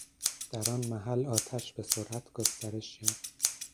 در آن محل آتش به سرعت گسترش یافت